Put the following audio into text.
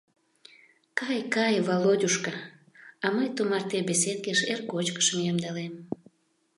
— Кай, кай, Володюшка, а мый тумарте беседкеш эр кочкышым ямдылем.